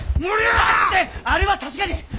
あれは確かに。